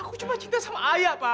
aku cuma cinta sama ayah pak